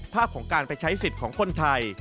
ภาพของการไปใช้สิทธิ์ของคนไทย